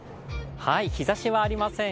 日ざしはありません